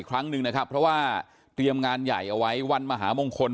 ครั้งหนึ่งนะครับเพราะว่าเตรียมงานใหญ่เอาไว้วันมหามงคล